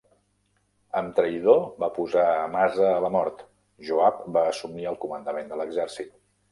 Amb traïdor va posar a Amasa a la mort, Joab va assumir el comandament de l'exèrcit.